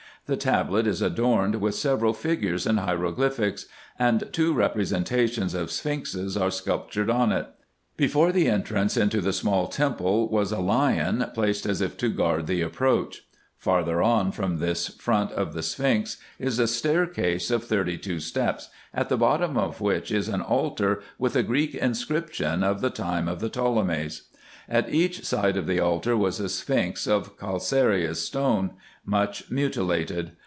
The tablet is adorned with several figures and hieroglyphics, and two representations of sphinxes are sculp tured on it. Before the entrance into the small temple was a lion. placed as if to guard the approach. Farther on from this front of the sphinx is a staircase of thirty two steps, at the bottom of which is an altar, with a Greek inscription, of the time of the Ptolemies. At each side of the altar was a sphinx of calcareous stone, much mutilated.